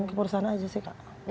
ke perusahaan aja sih kak